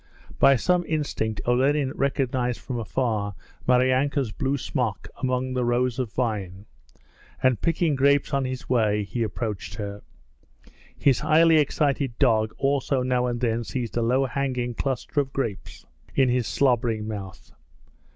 By some instinct Olenin recognized from afar Maryanka's blue smock among the rows of vine, and, picking grapes on his way, he approached her. His highly excited dog also now and then seized a low hanging cluster of grapes in his slobbering mouth.